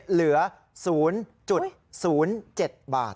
เหลือ๐๐๗บาท